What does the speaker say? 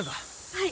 はい。